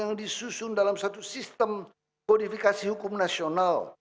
yang disusun dalam satu sistem modifikasi hukum nasional